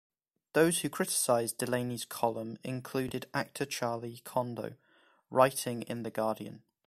Those who criticized Delaney's column included actor Charlie Condou writing in The Guardian.